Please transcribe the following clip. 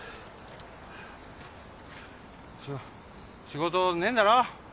仕事ねえんだろ？